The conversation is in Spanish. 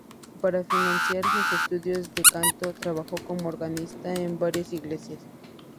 Para financiar sus estudios de canto, trabajo como organista en varias iglesias.